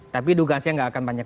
tapi dugaan saya nggak akan banyak